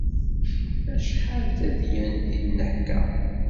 Acḥal d tadyant i d-neḥka.